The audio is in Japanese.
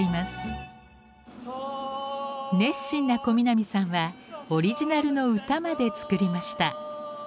熱心な小南さんはオリジナルの歌まで作りました。